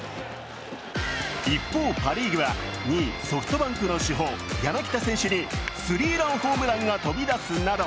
一方、パ・リーグは２位ソフトバンクの主砲柳田選手にスリーランホームランが飛び出すなど、